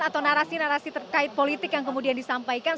atau narasi narasi terkait politik yang kemudian disampaikan